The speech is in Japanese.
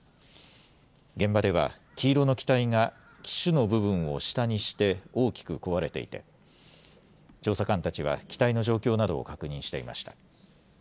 現場では黄色の機体が機首の部分を下にして大きく壊れていて調査官たちは機体の状況などを確認していました。